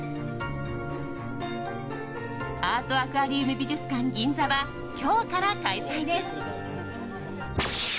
アートアクアリウム美術館ＧＩＮＺＡは今日から開催です。